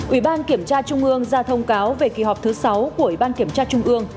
ủy ban kiểm tra trung ương ra thông cáo về kỳ họp thứ sáu của ủy ban kiểm tra trung ương